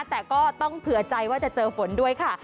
แต่ก็ต้องเผื่อใจว่าจะเจอฝนด้วยค่ะ